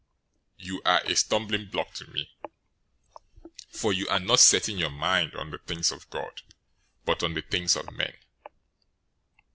You are a stumbling block to me, for you are not setting your mind on the things of God, but on the things of men."